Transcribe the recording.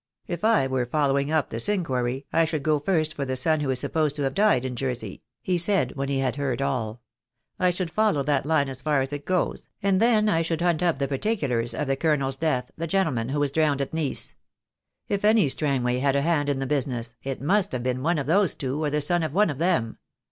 If I were following up this inquiry I should go first for the son who is supposed to have died in Jersey," he said, when he had heard all. "I should follow that line as far as it goes, and then I should hunt up the particulars of the Colonel's death, the gentleman who was drowned at Nice. If any Strangway had a hand in the business, it must have been one of those two, or the son of one of them.